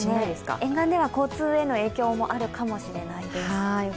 沿岸では交通への影響もあるかもしれないです。